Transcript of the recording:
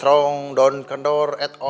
jangan kecil kecil sama sekali